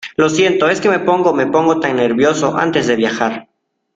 Lo siento. Es que me pongo me pongo tan nervioso antes de viajar .